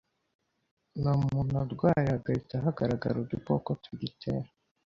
uwo muntu arwaye hagahita hagaragara udukoko tugitera.